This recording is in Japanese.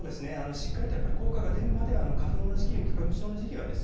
しっかりとやっぱり効果が出るまでは花粉症の時期はですね